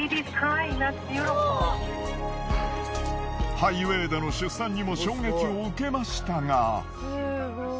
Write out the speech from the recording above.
ハイウェイでの出産にも衝撃を受けましたが。